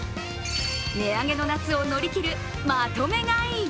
値上げの夏を乗り切るまとめ買い。